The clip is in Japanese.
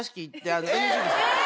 え！